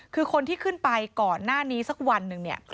คือคนที่ขึ้นไปก่อนหน้านี้สักวันหนึ่งเนี่ย